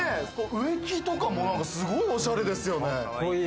植木とかもすごいおしゃれですよね。